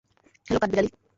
Hello, কাঠবিড়ালী।